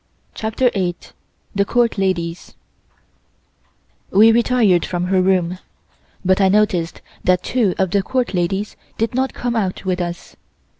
CHAPTER EIGHT THE COURT LADIES WE retired from her room, but I noticed that two of the Court ladies did not come out with us.